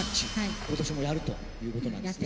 今年もやるという事なんですね。